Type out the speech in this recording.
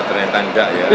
ternyata enggak ya